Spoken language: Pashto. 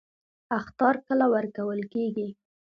اخطار کله ورکول کیږي؟